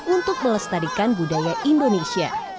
untuk melestarikan budaya indonesia